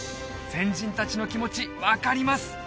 先人達の気持ち分かります